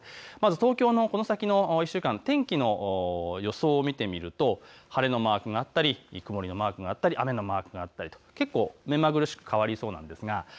東京のこの先の１週間天気の予想を見てみると晴れのマークがあったり曇りのマークがあったり雨のマークがあったりと目まぐるしく変わりそうです。